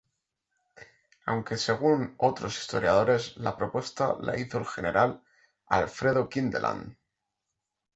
Aunque según otros historiadores la propuesta la hizo el general Alfredo Kindelán.